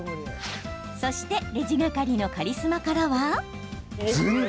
そしてレジ係のカリスマからは。